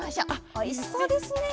おいしそうですね！